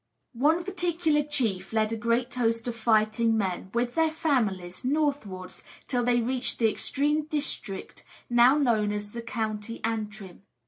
One particular chief led a great host of fighting men, with their families, northwards, till they reached the extreme district now known as the county Antrim.